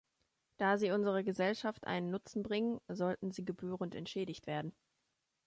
Da sie unserer Gesellschaft einen Nutzen bringen, sollten sie gebührend entschädigt werden.